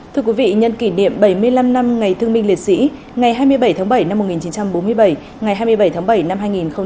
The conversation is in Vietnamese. thưa quý vị nhân kỷ niệm bảy mươi năm năm ngày thương minh liệt sĩ ngày hai mươi bảy tháng bảy năm một nghìn chín trăm bốn mươi bảy ngày hai mươi bảy tháng bảy năm hai nghìn hai mươi